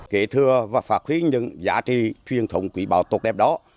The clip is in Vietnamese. kể thừa và phát huy những giá trị truyền thống quỹ báo tốt đẹp đó